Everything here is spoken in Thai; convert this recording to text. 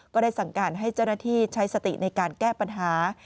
ก็ได้สั่งการให้เจ้าหน้าที่ใช้สติในการแก้ปัญหา